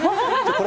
これ。